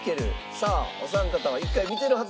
さあお三方は一回見てるはず。